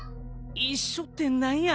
一緒って何や？